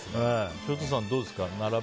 潮田さん、どうですか？